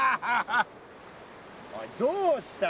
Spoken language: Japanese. おいどうした？